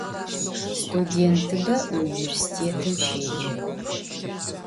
Studêntıbe vuniversitetım şêce.